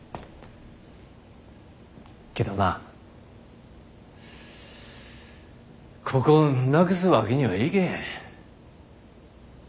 けどなここなくすわけにはいけへん。